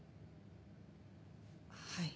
はい。